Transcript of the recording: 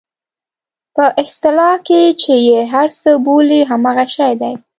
په اصطلاح کې چې یې هر څه بولئ همغه شی دی.